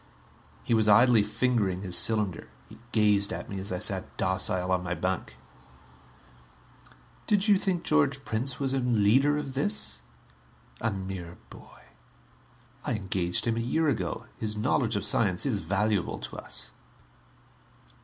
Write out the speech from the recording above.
He was idly fingering his cylinder; he gazed at me as I sat docile on my bunk. "Did you think George Prince was a leader of this? A mere boy. I engaged him a year ago his knowledge of science is valuable to us."